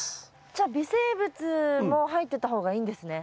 じゃ微生物も入ってた方がいいんですね。